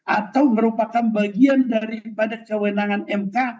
atau merupakan bagian daripada kewenangan mk